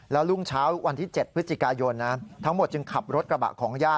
แล้วรุ่งเช้าวันที่๗พฤศจิกายนทั้งหมดจึงขับรถกระบะของย่า